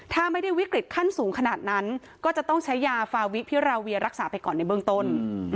ถ้าไม่ได้วิกฤตขั้นสูงขนาดนั้นก็จะต้องใช้ยาฟาวิพิราเวียรักษาไปก่อนในเบื้องต้น